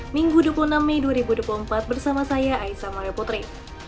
minggu dua puluh enam mei dua ribu dua puluh empat bersama saya aisa malio putri